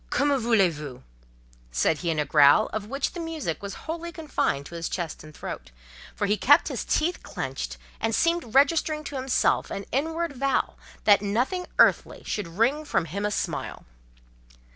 "Que me voulez vous?" said he in a growl of which the music was wholly confined to his chest and throat, for he kept his teeth clenched; and seemed registering to himself an inward vow that nothing earthly should wring from him a smile.